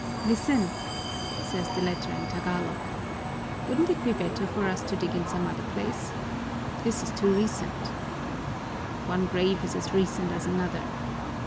"Listen," says the latter in Tagalog, "wouldn't it be better for us to dig in some other place? This is too recent." "One grave is as recent as another."